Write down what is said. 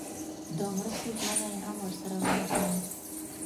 د مرستو ژمنه یې هم ورسره ونه کړه.